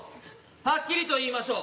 はっきりと言いましょう。